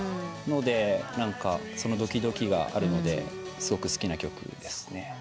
そのドキドキがあるのですごく好きな曲ですね。